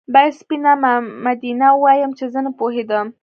باید سپينه مامدينه ووايم چې زه نه پوهېدم